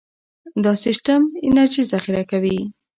دا سیستم انرژي ذخیره کوي.